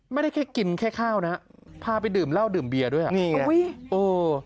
ไม่ได้แค่กินแค่ข้าวนะพาไปดื่มเหล้าดื่มเบียร์ด้วยอ่ะนี่ไงอุ้ยเออ